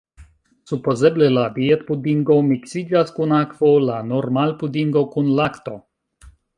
Supozeble la dietpudingo miksiĝas kun akvo, la normalpudingo kun lakto?